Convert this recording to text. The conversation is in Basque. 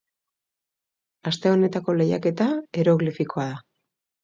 Aste honetako lehiaketa eroglifikoa da.